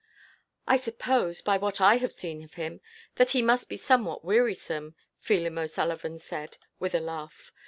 "I suppose, by what I have seen of him, that he must be somewhat wearisome," Phelim O'Sullivan said, with a laugh.